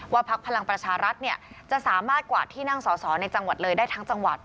พักพลังประชารัฐจะสามารถกวาดที่นั่งสอสอในจังหวัดเลยได้ทั้งจังหวัด